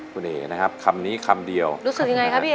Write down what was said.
คุณเอ๋นะครับคำนี้คำเดียวรู้สึกยังไงครับพี่เอ